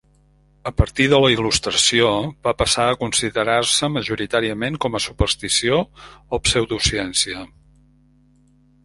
A partir de la Il·lustració va passar a considerar-se majoritàriament com a superstició o pseudociència.